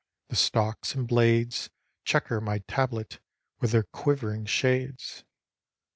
The stalks, and blades, Chequer my tablet with their quivering shades.